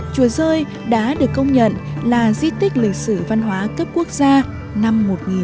chùa rơi đã được công nhận là di tích lịch sử văn hóa cấp quốc gia năm một nghìn chín trăm bảy mươi